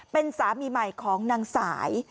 เป็นสามีใหม่ของนางสาย